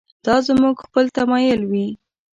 دا زموږ خپل تمایل وي.